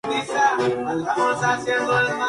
Fue delegado de Chile en Europa y Egipto.